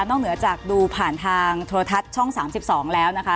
เหนือจากดูผ่านทางโทรทัศน์ช่อง๓๒แล้วนะคะ